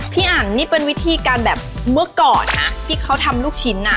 อันนี่เป็นวิธีการแบบเมื่อก่อนนะที่เขาทำลูกชิ้นอ่ะ